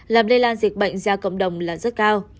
làm lây lan dịch bệnh ra cộng đồng là rất cao